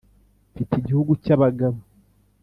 Mfite igihugu cy'abagabo